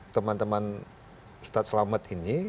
teman teman ustadz selamat ini